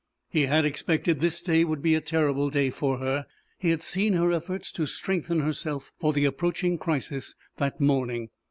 He had expected this day would be a terrible day for her; he had seen her efforts to strengthen herself for the approaching crisis that morning.